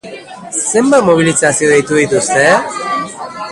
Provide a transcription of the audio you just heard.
Zenbat mobilizazio deitu dituzte?